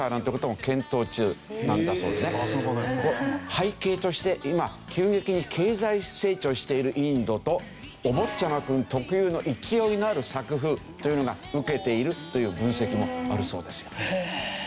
背景として今急激に経済成長しているインドと『おぼっちゃまくん』特有の勢いのある作風というのがウケているという分析もあるそうですよ。